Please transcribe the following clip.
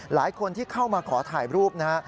หลายคนที่เข้ามาขอถ่ายรูปนะฮะ